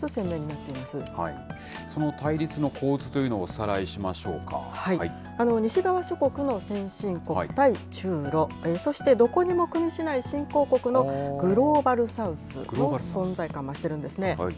まその対立の構図というのをお西側諸国の先進国対中ロ、そして、どこにもくみしない新興国のグローバル・サウスも、存在感を増してるんですね。